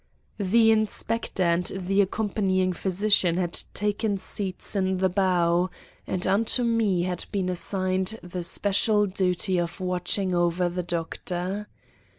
The Inspector and the accompanying physician had taken seats in the bow, and unto me had been assigned the special duty of watching over the Doctor.